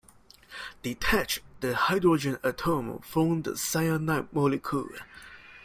Detach the hydrogen atom from the cyanide molecule.